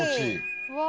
うわ。